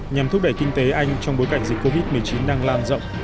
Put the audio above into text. nhằm thúc đẩy kinh tế anh trong bối cảnh dịch covid một mươi chín đang lan rộng